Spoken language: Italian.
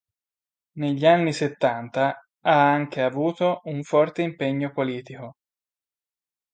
Negli anni settanta ha anche avuto un forte impegno politico.